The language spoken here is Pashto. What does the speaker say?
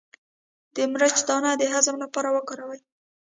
د مرچ دانه د هضم لپاره وکاروئ